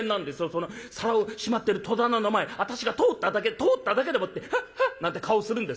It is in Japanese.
その皿をしまってる戸棚の前私が通っただけで通っただけでもってハッハッなんて顔するんですよ